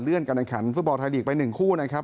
เลื่อนการการขันฟุตบอลไทยลีกไป๑คู่นะครับ